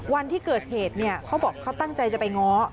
วันที่เกิดเหตุเขาบอกเขาตั้งใจจะไปง้อ